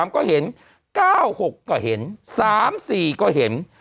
ก็เห็น๙๖ก็เห็น๓๔ก็เห็น